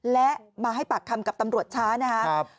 และมาให้ปากคำกับตำรวจช้านะครับ